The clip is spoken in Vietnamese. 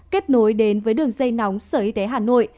kết nối đến với đường dây nóng sở y tế hà nội